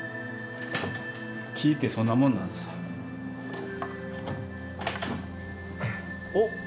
木ってそんなもんなんですよ。